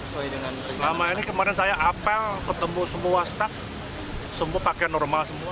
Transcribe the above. selama ini kemarin saya apel ketemu semua staff semua pakai normal semua